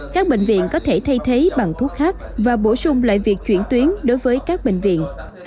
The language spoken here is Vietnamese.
các bệnh viện có thể thay thế bằng thuốc khác và bổ sung lại việc chuyển tuyến đối với các bệnh viện